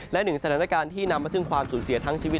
และหนึ่งสถานการณ์ที่นำมาซึ่งความสูญเสียทั้งชีวิต